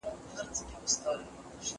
کاروانونه د وریښمو په مزلونو